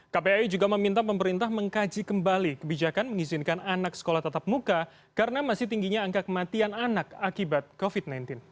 kpai juga meminta pemerintah mengkaji kembali kebijakan mengizinkan anak sekolah tatap muka karena masih tingginya angka kematian anak akibat covid sembilan belas